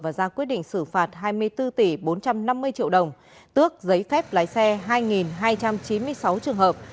và ra quyết định xử phạt hai mươi bốn tỷ bốn trăm năm mươi triệu đồng tước giấy phép lái xe hai hai trăm chín mươi sáu trường hợp